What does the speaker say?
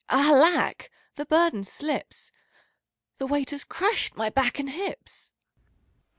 Alack ! the burden slips : The weight has crushed my back and hips.